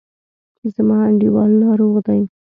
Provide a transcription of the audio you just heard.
زما انډیوال ناروغ دی.